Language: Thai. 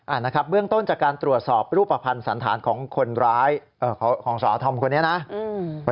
นะครับเบื้องต้นจากการตรวจสอบรูปภัณฑ์สันธารของคนร้ายเอ่อของของสอทอมคนนี้นะอืม